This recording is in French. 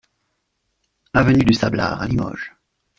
Avenue du Sablard à Limoges